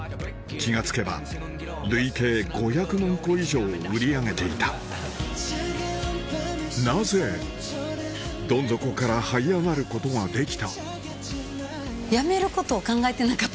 気が付けば累計５００万個以上売り上げていたなぜどん底からはい上がることができた？